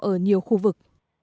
ở nhiều khu vực